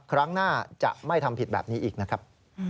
ครั้งหน้าจะไม่ทำผิดแบบนี้อีกนะครับ